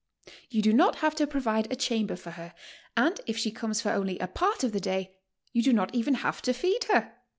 You do not have to provide a chamber for her, and if she comes for only a part of the day, you do not even have to feed her.